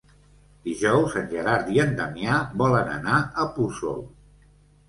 Dijous en Gerard i en Damià volen anar a Puçol.